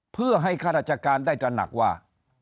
เพื่อให้ข้าราชการได้ตระหนักว่า